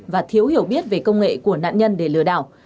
và thiếu hiểu biết về công nghệ của nạn nhân để lừa đảo